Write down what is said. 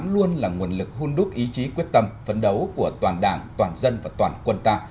luôn là nguồn lực hôn đúc ý chí quyết tâm phấn đấu của toàn đảng toàn dân và toàn quân ta